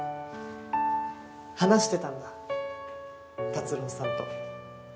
話してたんだ辰郎さんと。